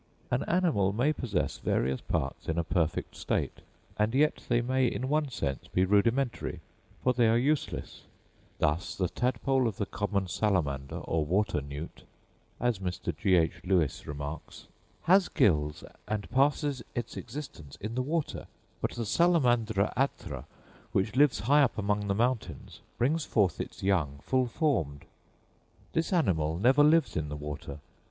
An animal may possess various parts in a perfect state, and yet they may in one sense be rudimentary, for they are useless: thus the tadpole of the common salamander or water newt, as Mr. G.H. Lewes remarks, "has gills, and passes its existence in the water; but the Salamandra atra, which lives high up among the mountains, brings forth its young full formed. This animal never lives in the water.